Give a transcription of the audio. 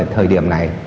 thời điểm này